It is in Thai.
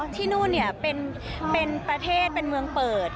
ที่นู่นเป็นประเทศเป็นเมืองเปิด